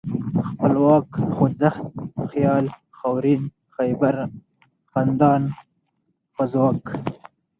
خپلواک ، خوځښت ، خيال ، خاورين ، خيبر ، خندان ، خوازک